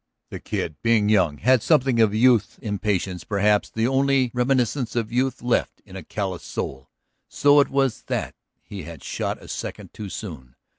The Kid, being young, had something of youth's impatience, perhaps the only reminiscence of youth left in a calloused soul. So it was that he had shot a second too soon.